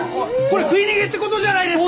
食い逃げって事じゃないですか！